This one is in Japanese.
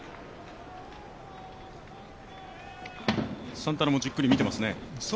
サンタナもじっくり見ていますね。